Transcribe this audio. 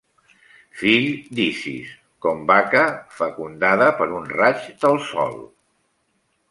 Fill d'Isis, com vaca, fecundada per un raig del Sol.